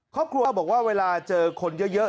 ครอบครัวบอกว่าเวลาเจอคนเยอะ